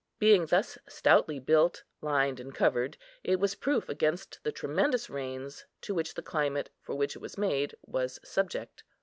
Being thus stoutly built, lined, and covered, it was proof against the tremendous rains, to which the climate, for which it was made, was subject.